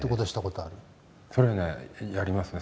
それはやりますね。